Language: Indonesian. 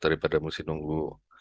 daripada mesti nunggu